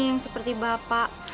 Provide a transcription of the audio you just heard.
yang seperti bapak